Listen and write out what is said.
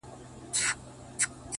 o خیر حتمي کارونه مه پرېږده، کار باسه،